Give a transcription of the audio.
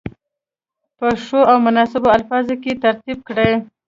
په ښو او مناسبو الفاظو کې ترتیب کړي.